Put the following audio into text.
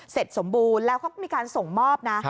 เสร็จสมบูรณ์แล้วเขามีการส่งมอบนะ